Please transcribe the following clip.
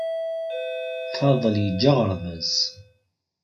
Faḍel yeǧǧa aɣerbaz